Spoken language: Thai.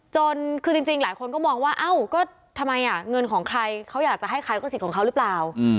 จนคือจริงหลายคนก็มองว่าเอ้าก็ทำไมเงินของใครเขาอยากจะให้ใครก็สิทธิ์ของเขาหรือเปล่า